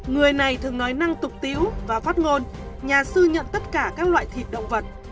người này thường nói năng tục tiễu và phát ngôn nhà sư nhận tất cả các loại thịt động vật